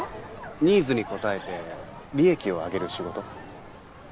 ニーズに応えて利益を上げる仕事。